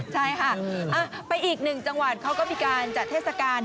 ใช่ค่ะไปอีกหนึ่งจังหวัดเขาก็มีการจัดเทศกาล